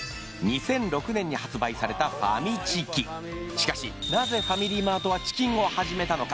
しかしなぜファミリーマートはチキンを始めたのか？